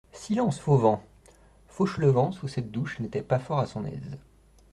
Silence, Fauvent ! Fauchelevent, sous cette douche, n'était pas fort à son aise.